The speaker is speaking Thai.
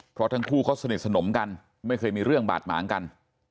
เพราะทั้งคู่เขาสนิทสนมกันไม่เคยมีเรื่องบาดหมางกัน